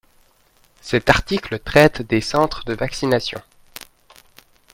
Cet article traite des centres de vaccination.